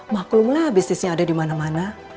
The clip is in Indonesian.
maklumlah bisnisnya ada di mana mana